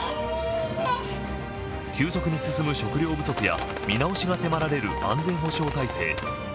急速に進む食料不足や見直しが迫られる安全保障体制。